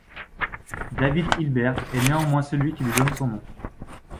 David Hilbert est néanmoins celui qui lui donne son nom.